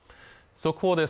速報です